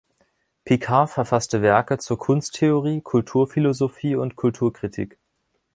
Picard verfasste Werke zur Kunsttheorie, Kulturphilosophie und Kulturkritik.